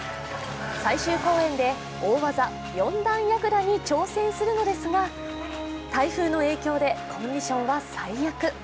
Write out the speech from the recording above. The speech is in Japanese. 最終公演で大技・４段やぐらに挑戦するのですが、台風の影響でコンディションは最悪。